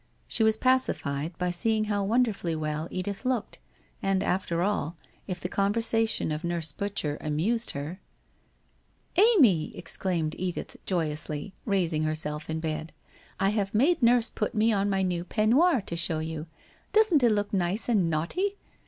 She was pacified, by seeing how wonderfully well Edith looked, and after all, if the conversation of Nurse Butcher amused her !' Amy,' exclaimed Edith, joyously, raising herself in bed, ' I have made nurse put me on my new pink peignoir to show you. Doesn't it look nice and naughty